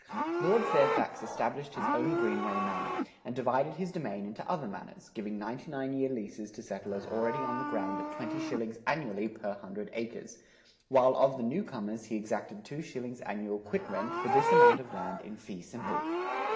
Lord Fairfax established his own Greenway manor,[92:2] and divided his domain into other manors, giving ninety nine year leases to settlers already on the ground at twenty shillings annually per hundred acres; while of the new comers he exacted two shillings annual quit rent for this amount of land in fee simple.